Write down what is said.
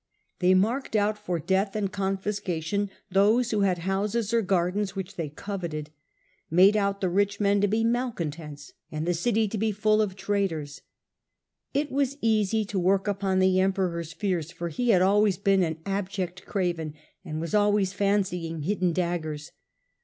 They marked out for death ^rt^ofthr confiscation those who had houses or richly worL gardens which they coveted, made out the rich men to be malcontents, and the city to fears, fuU of traitors. It was easy to work upon the Emperor's fears, for he had always been an abject craven, and was always fancying hidden daggers.